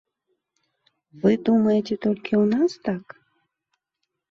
Вы думаеце, толькі ў нас так?